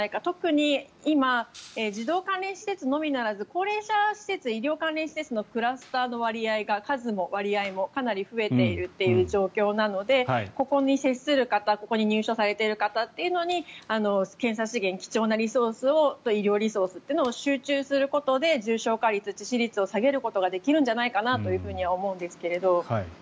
特に今、児童関連施設のみならず高齢者施設、医療関連施設のクラスターの数の割合も、かなり増えているという状況なのでここに接する方ここに入所されている方に検査資源、貴重なリソースと医療リソースを集中することで重症化率、致死率を下げることができるのではと思うんですけれども。